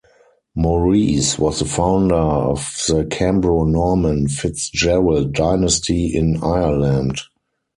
Maurice was the founder of the Cambro-Norman FitzGerald dynasty in Ireland.